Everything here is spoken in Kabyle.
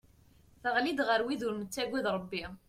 Teɣli-d ɣer wid ur nettagad Rebbi.